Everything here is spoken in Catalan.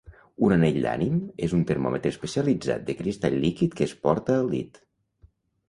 Un anell d'ànim és un termòmetre especialitzat de cristall líquid que es porta al dit.